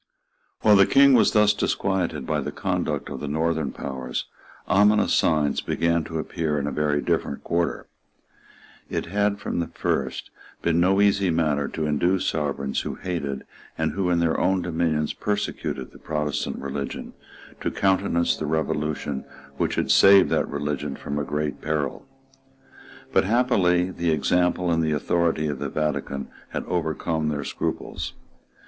While the King was thus disquieted by the conduct of the Northern powers, ominous signs began to appear in a very different quarter. It had, from the first, been no easy matter to induce sovereigns who hated, and who, in their own dominions, persecuted, the Protestant religion, to countenance the revolution which had saved that religion from a great peril. But happily the example and the authority of the Vatican had overcome their scruples.